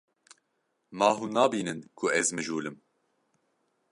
Ma hûn nabînin ku ez mijûl im?